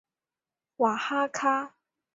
瓦哈卡。